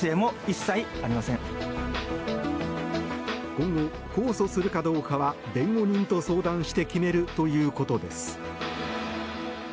今後、控訴するかどうかは弁護人と相談して決めるということです。